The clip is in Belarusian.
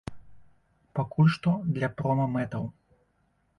Пакуль што для прома-мэтаў.